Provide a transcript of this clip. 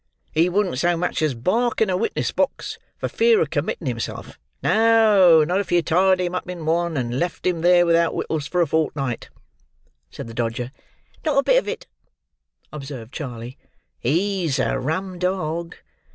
"He wouldn't so much as bark in a witness box, for fear of committing himself; no, not if you tied him up in one, and left him there without wittles for a fortnight," said the Dodger. "Not a bit of it," observed Charley. "He's a rum dog.